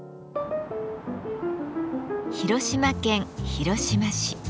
広島県広島市。